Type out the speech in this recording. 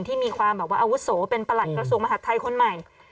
ที่มีความแบบว่าอาวุโสเป็นประหลัดกระทรวงมหาดไทยคนใหม่